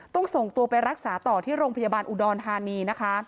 ส่งตัวไปรักษาต่อที่โรงพยาบาลอุดรธานีนะคะ